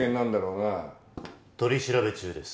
取り調べ中です。